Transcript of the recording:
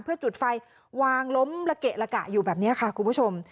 เพื่อจุดไฟวางล้มละเกะละกะอยู่แบบนี้ค่ะคุณผู้ชม